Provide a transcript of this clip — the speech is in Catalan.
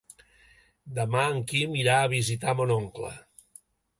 Demà en Quim irà a visitar mon oncle.